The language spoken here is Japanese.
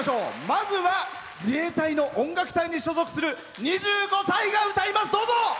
まずは自衛隊の音楽隊に所属する２５歳が歌います。